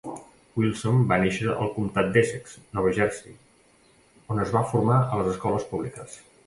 Wilson va néixer al comtat d'Essex, Nova Jersey, on es va formar a les escoles públiques.